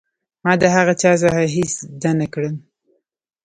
ما د هغه چا څخه هېڅ زده نه کړل.